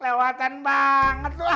lewatan banget lo ah